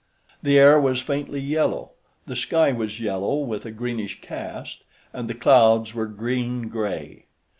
The air was faintly yellow, the sky was yellow with a greenish cast, and the clouds were green gray.